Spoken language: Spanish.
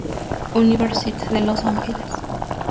University de los Ángeles.